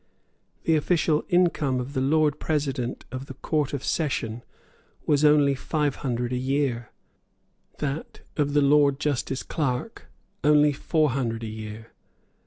The official income of the Lord President of the Court of Session was only five hundred a year; that of the Lord Justice Clerk only four hundred a year.